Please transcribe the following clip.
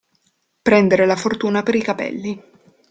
Prendere la fortuna per i capelli.